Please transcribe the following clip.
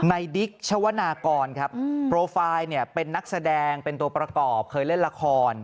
ดิ๊กชวนากรครับโปรไฟล์เนี่ยเป็นนักแสดงเป็นตัวประกอบเคยเล่นละคร